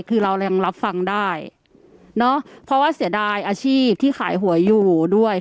คือเรายังรับฟังได้เนอะเพราะว่าเสียดายอาชีพที่ขายหวยอยู่ด้วย